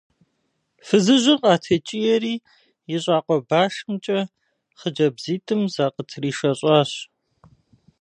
Фызыжьыр къатекӀиери и щӀакъуэ башымкӀэ хъыджэбзитӀым закъытришэщӀащ.